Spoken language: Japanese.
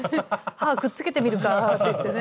歯くっつけてみるかっていってね。